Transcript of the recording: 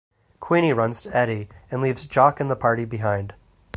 Queenie runs to Eddie and leaves Jock and the party behind.